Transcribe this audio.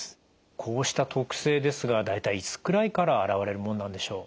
こうした特性ですが大体いつくらいから現れるものなんでしょう？